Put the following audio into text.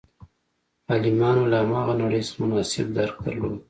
عالمانو له هماغه نړۍ څخه مناسب درک درلود.